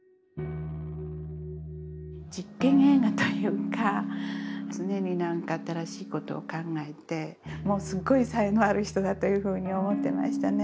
実験映画というか常に何か新しい事を考えてすごい才能ある人だというふうに思ってましたね。